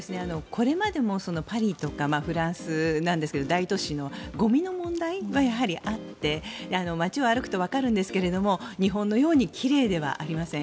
これまでもパリとかフランスの大都市のゴミの問題がやはりあって街を歩くとわかるんですが日本のように奇麗ではありません。